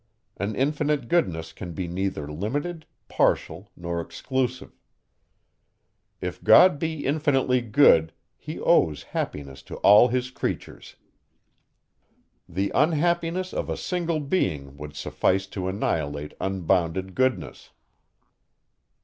An infinite goodness can be neither limited, partial, nor exclusive. If God be infinitely good, he owes happiness to all his creatures. The unhappiness of a single being would suffice to annihilate unbounded goodness.